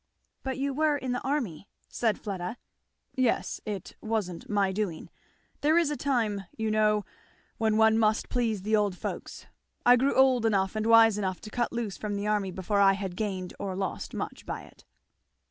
"But you were in the army?" said Fleda. "Yes It wasn't my doing. There is a time, you know, when one must please the old folks I grew old enough and wise enough to cut loose from the army before I had gained or lost much by it."